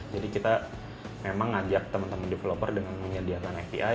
jadi kita memang mengajak teman teman developer dengan menyediakan api